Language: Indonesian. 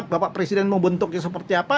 bapak presiden mau bentuknya seperti apa